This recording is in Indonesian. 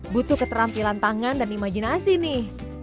butuh keterampilan tangan dan imajinasi nih